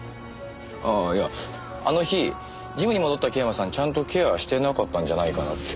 あっいやあの日ジムに戻った桂馬さんちゃんとケアしてなかったんじゃないかなって。